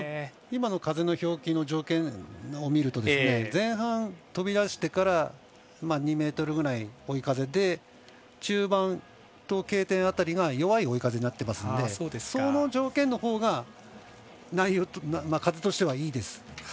今の風の表記の条件を見ると前半、飛び出してから２ｍぐらい追い風で、中盤とＫ点辺りが弱い追い風になっていますのでその条件のほうが風としてはいいです。